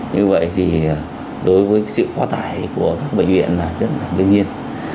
như vậy thì đối với sự quá tải của các bệnh viện là rất là đương nhiên